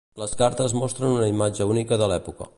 Les cartes mostren una imatge única de l'època.